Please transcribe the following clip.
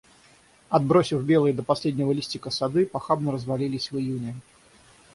Отбросив белье до последнего листика, сады похабно развалились в июне.